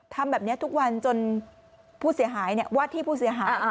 ทำแบบนี้ทุกวันจนผู้เสียหายวาดที่ผู้เสียหาย